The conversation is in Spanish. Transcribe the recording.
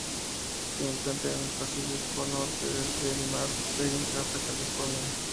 Se encuentra en el Pacífico norte: desde el Mar de Bering hasta California.